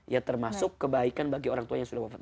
ya termasuk kebaikan bagi orang tua yang sudah wafat